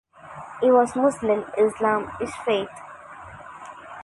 He was Muslim (Islam) in faith.